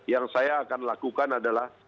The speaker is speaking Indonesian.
yang saya akan lakukan adalah